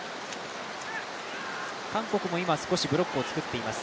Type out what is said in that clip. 韓国も今、少しブロックを作っています。